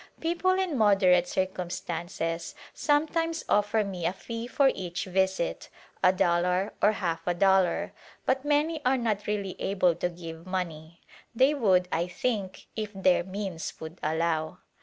People in moderate circumstances sometimes offer me a fee for each visit, — a dollar or half a dollar — but many are not really able to give money ; they would, I think, if their means would allow.